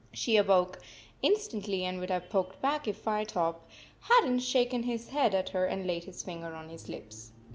She woke instantly and would have poked back if Firetop hadn t shaken his head at her and laid his finger on his lips.